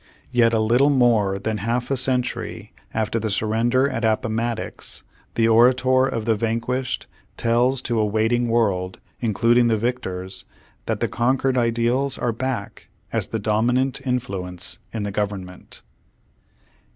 Yet a little more than a half a century after the surrender at Appomattox, the orator of the vanquished tells to a waiting world, including the victors, that the conquered ideals are back as the dominant influence in the Government.